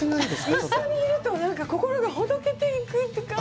一緒にいると心がほどけていくって感じ。